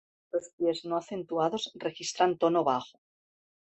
Los pies no acentuados registran tono bajo.